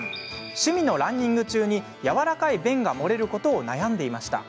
趣味のランニング中に軟らかい便がもれることを悩んでいました。